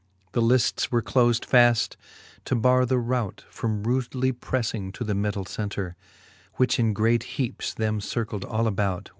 The lifts were clofed faft, to barre the rout From rudely prefling to the middle center ^ Which in great heapes them circled all about.